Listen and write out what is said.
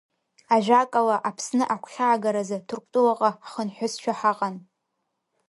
Ажәакала, Аԥсны агәхьаагаразы Ҭырқәтәылаҟа ҳхынҳәызшәа ҳаҟан.